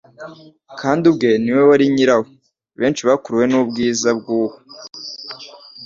kandi ubwe ni we wari nyirawo. Benshi bakuruwe n'ubwiza bw'uwo ..